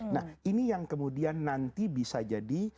nah ini yang kemudian nanti bisa jadi